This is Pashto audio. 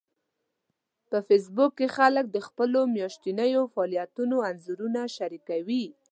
په فېسبوک کې خلک د خپلو میاشتنيو فعالیتونو انځورونه شریکوي